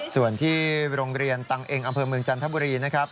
ส่วนที่โรงเรียนตังเองอำเภอเมืองจันทบุรีนะครับ